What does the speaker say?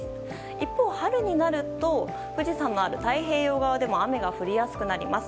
一方、春になると富士山のある太平洋側でも雨が降りやすくなります。